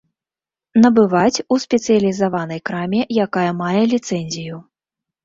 Набываць у спецыялізаванай краме, якая мае ліцэнзію.